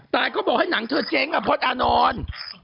แต่ก็บอกให้หนังเธอเจ๊งอะพลอดอานอล